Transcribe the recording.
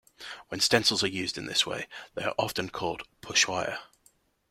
When stencils are used in this way they are often called "pochoir".